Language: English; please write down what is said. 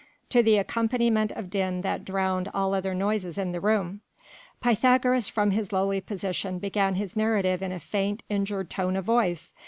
to the accompaniment of din that drowned all other noises in the room. Pythagoras from his lowly position began his narrative in a faint, injured tone of voice.